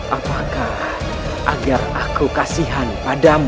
apakah agar aku kasihan padamu